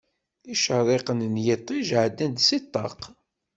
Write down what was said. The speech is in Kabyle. Icerriqen n yiṭij ɛeddan-d si ṭṭaq.